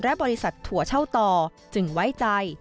บริษัทถั่วเช่าต่อจึงไว้ใจ